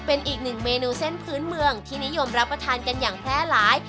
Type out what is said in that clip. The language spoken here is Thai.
เป็นอีกหนึ่งเมนูเส้นพื้นเมืองที่นิยมรับประทานกันอย่างแพร่หลาย